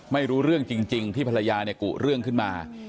ไม่รู้เรื่องจริงที่ภรรยาเนี่ยกุเรื่องขึ้นมา